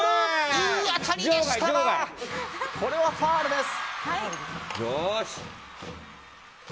いい当たりでしたがファウルです。